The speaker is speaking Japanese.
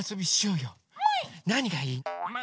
なにがいい？もい！